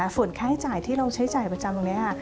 ส่วนค่าใช้จ่ายที่เราใช้จ่ายประจำตรงนี้ค่ะ